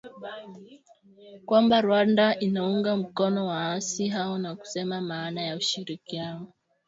kwamba Rwanda inaunga mkono waasi hao na kusema maana ya ushirikiano